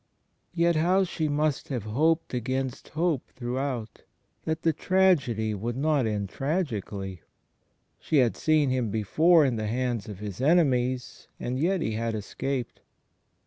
Yet how she must have hoped against hope, through out, that the tragedy would not end tragically! She had seen Him before in the hands of His enemies and yet He had escaped.